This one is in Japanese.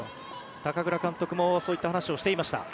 高倉監督もそういった話をしていました。